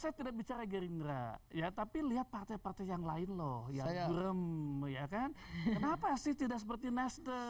saya tidak bicara gerindra ya tapi lihat partai partai yang lain loh yang gerem kenapa sih tidak seperti nasdem